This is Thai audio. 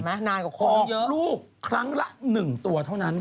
ต้องลูกครั้งละ๑ตัวเท่านั้น